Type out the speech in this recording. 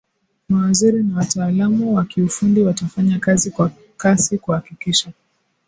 mawaziri na wataalamu wa kiufundi watafanya kazi kwa kasi kuhakikisha